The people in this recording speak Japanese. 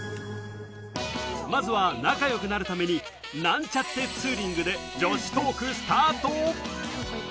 まずは仲良くなるためになんちゃってツーリングで女子トーク、スタート。